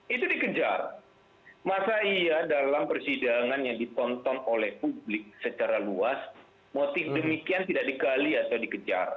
itu dikejar masa iya dalam persidangan yang ditonton oleh publik secara luas motif demikian tidak dikali atau dikejar